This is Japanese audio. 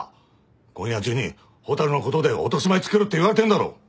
今夜中に蛍のことで落としまえつけろって言われてんだろ！